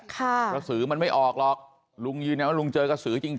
กระสือมันไม่ออกหรอกลุงยืนยันว่าลุงเจอกระสือจริง